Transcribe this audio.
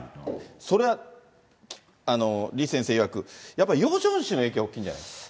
それは、李先生いわく、やっぱりヨジョン氏の影響が大きいんじゃないかと。